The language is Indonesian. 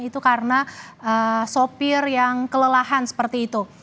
itu karena sopir yang kelelahan seperti itu